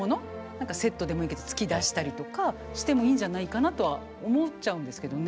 何かセットでもいいけど月出したりとかしてもいいんじゃないかなとは思っちゃうんですけどね。